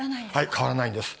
変わらないんです。